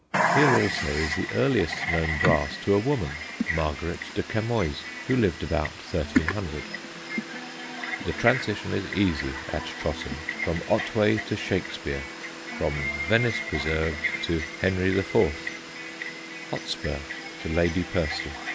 Here also is the earliest known brass to a woman Margaret de Camoys, who lived about 1300. [Sidenote: HOTSPUR'S LADY] The transition is easy (at Trotton) from Otway to Shakespeare, from Venice Preserv'd to Henry IV. HOTSPUR (to LADY PERCY).